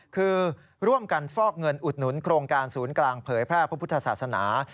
คือร่วมกันฟอกเงินอุดหนุนโครงการศูนย์กลางเผยแพร่พระพุทธศาสนา